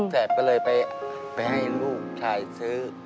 แสบก็เลยไปให้ลูกชายซื้อ